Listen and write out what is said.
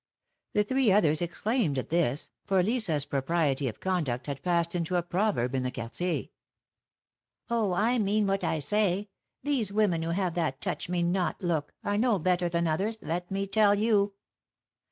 The three others exclaimed at this, for Lisa^s propriety of conduct had passed into a proverb in the Quartier. ''Oh! I mean what I say; these women who have that touch rae not look, are no better than others, let me tell you."